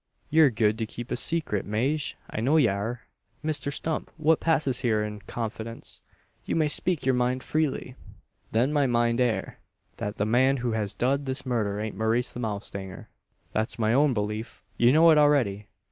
"Yur good to keep a seecret, Maje? I know ye air." "Mr Stump, what passes here is in confidence. You may speak your mind freely." "Then my mind air: thet the man who hez dud this murder ain't Maurice the Mowstanger." "That's my own belief. You know it already.